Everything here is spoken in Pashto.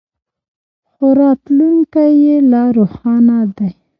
خو راتلونکی یې لا روښانه دی.